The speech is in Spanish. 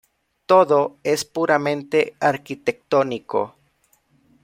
Todo es puramente arquitectónico.